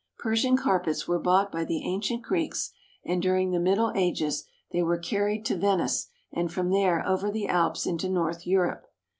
Persian carpets were bought by the ancient Greeks, and, during the Middle Ages, they were carried to Venice, and from there over the Alps into north Europe.